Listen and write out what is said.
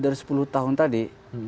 dari sepuluh tahun tadi